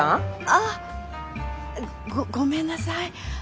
あっごっごめんなさい。